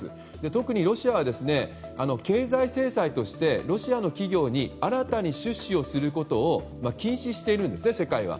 特にロシアは経済制裁としてロシアの企業に新たに出資することを禁止しているんです、世界が。